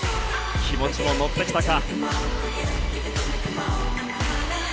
気持ちも乗ってきたか。